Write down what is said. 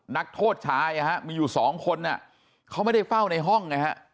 นักโทษชายมีอยู่สองคนเขาไม่ได้เฝ้าในห้องไงฮะ